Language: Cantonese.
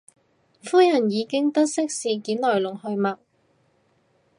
夫人已經得悉件事來龍去脈